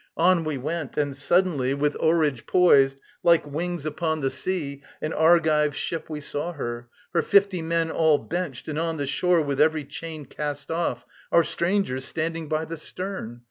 On we went, and suddenly, With oarage poised, like wings upon the sea, An Argive ship we saw, her fifty men All benched, and on the shore, with every chain Cast off, our strangers, standing by the stern!